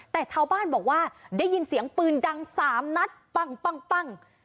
แต่ชาวบ้านบอกว่าได้ยินเสียงปืนดัง๓นัดปั้ง